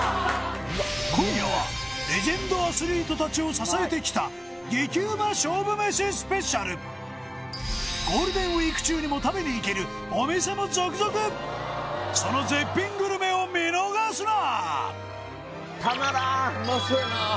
今夜はレジェンドアスリートたちを支えてきたスペシャルゴールデンウイーク中にも食べに行けるお店も続々その絶品グルメを見逃すな！